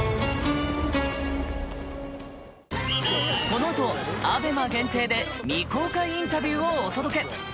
このあとＡＢＥＭＡ限定で未公開インタビューをお届け！